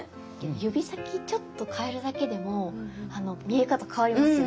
指先ちょっと変えるだけでも見え方変わりますよね？